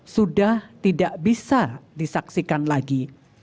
sudah tidak bisa disaksikan lagi